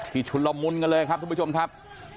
ชุนละมุนกันเลยครับทุกผู้ชมครับ